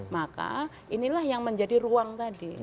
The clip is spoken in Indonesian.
maka inilah yang menjadi ruang tadi